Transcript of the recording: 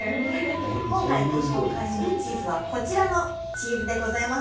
今回ご紹介するチーズはこちらのチーズでございます。